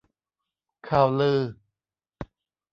ข่าวลือ